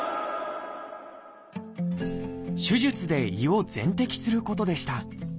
手術で胃を全摘することでした。